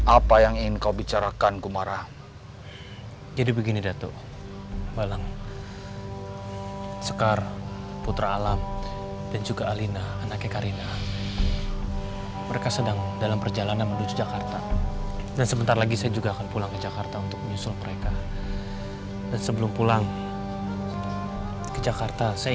apa yang ingin kau bicarakan kumara jadi begini dato'